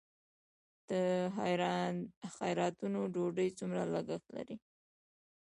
د خیراتونو ډوډۍ څومره لګښت لري؟